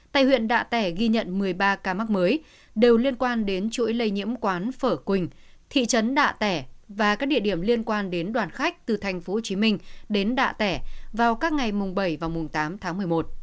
tại huyện đạ tẻ ghi nhận một mươi ba ca mắc mới đều liên quan đến chuỗi lây nhiễm quán phở quỳnh thị trấn đạ tẻ và các địa điểm liên quan đến đoàn khách từ tp hcm đến đạ tẻ vào các ngày mùng bảy và mùng tám tháng một mươi một